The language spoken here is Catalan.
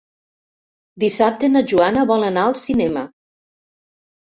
Dissabte na Joana vol anar al cinema.